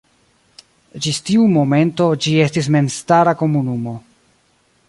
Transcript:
Ĝis tiu momento ĝi estis memstara komunumo.